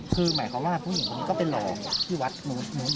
คือหมายความว่าผู้หญิงคนนี้ก็ไปลองที่วัดนู้น